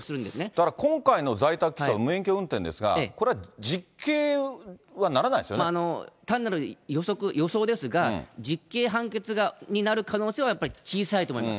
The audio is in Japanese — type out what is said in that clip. だから今回の在宅起訴は無免許運転ですが、単なる予測、予想ですが、実刑判決になる可能性はやっぱり小さいと思います。